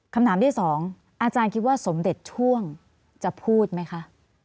คำถามที่สองอาจารย์คิดว่าสมเด็จช่วงจะพูดไหมคะ